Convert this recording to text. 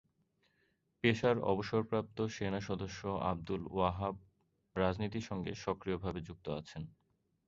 পেশার অবসরপ্রাপ্ত সেনা সদস্য আব্দুল ওয়াহাব রাজনীতির সঙ্গে সক্রিয় ভাবে যুক্ত আছেন।